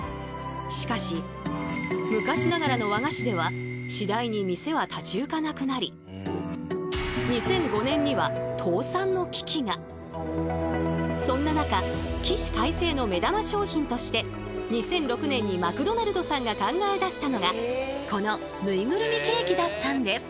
しかし昔ながらの和菓子では次第に店は立ち行かなくなりそんな中起死回生の目玉商品として２００６年にマクドナルドさんが考え出したのがこのぬいぐるみケーキだったんです。